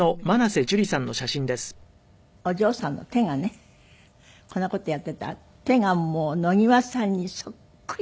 この間見ていたらお嬢さんの手がねこんな事やっていた手がもう野際さんにそっくりなの。